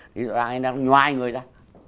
thì ai đó nó nhoai người ra